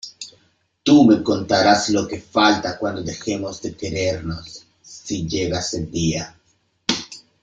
tú me contarás lo que falta cuando dejemos de querernos , si llega ese día .